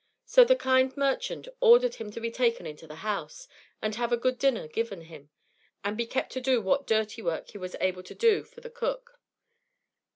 So the kind merchant ordered him to be taken into the house, and have a good dinner given him, and be kept to do what dirty work he was able to do for the cook.